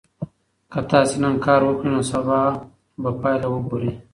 که تاسي نن کار وکړئ نو سبا به پایله وګورئ.